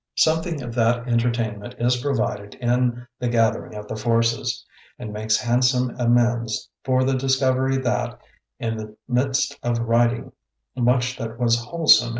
JSi^ething of that entertainment is' provided in "The Gathering of the Forces" and makes handsome amends for the discovery that, in the midst of writing much that was wholesome an